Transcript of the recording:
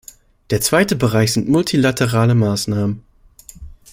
Der zweite Bereich sind multilaterale Maßnahmen.